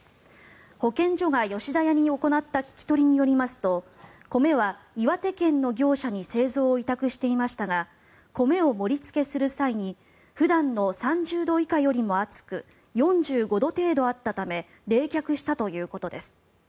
保健所が吉田屋に行った聞き取りによりますと米は岩手県の業者に製造を委託していましたが米を盛りつけする際に普段の３０度以下よりも熱く４５度程度あったため冷却したということです。